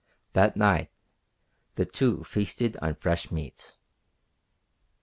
That night the two feasted on fresh meat.